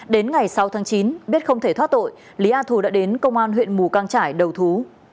đến ngày sáu tháng chín biết không thể thoát tội lý a thù đã đến công an huyện mù căng trải đầu thú